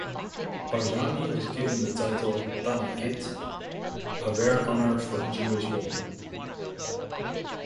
Barzani was given the title "Tanna'it", a rare honour for a Jewish woman.